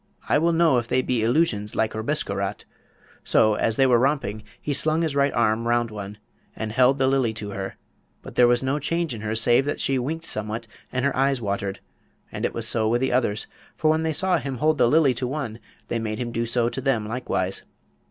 I will know if they be illusions like Rabesqurat'; so, as they were romping, he slung his right arm round one, and held the Lily to her, but there was no change in her save that she winked somewhat and her eyes watered; and it was so with the others, for when they saw him hold the Lily to one they made him do so to them likewise.